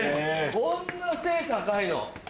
こんな背高いの。